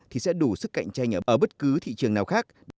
thì sẽ đủ sức cạnh tranh ở bất cứ thị trường nào khác